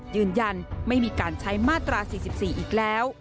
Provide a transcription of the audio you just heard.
ยืนยันไม่มีการใช้มาตรา๔๔อีกแล้ว